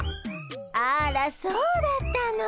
あらそうだったの。